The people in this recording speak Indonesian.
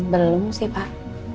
belum sih pak